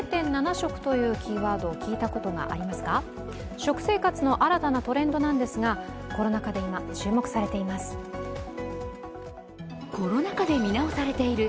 食生活の新たなトレンドなんですがコロナ禍で今、注目されています。